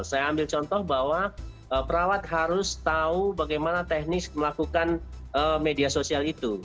saya ambil contoh bahwa perawat harus tahu bagaimana teknis melakukan media sosial itu